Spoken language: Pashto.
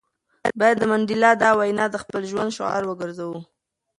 باید د منډېلا دا وینا د خپل ژوند شعار وګرځوو.